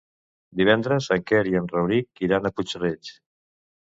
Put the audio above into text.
Divendres en Quer i en Rauric iran a Puig-reig.